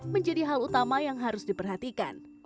menjadi hal utama yang harus diperhatikan